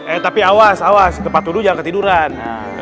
eh tapi awas awas tempat duduk jangan ketiduran